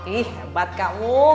ih hebat kamu